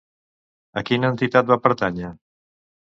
A quina entitat va pertànyer?